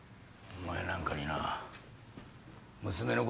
お前なんかにっ！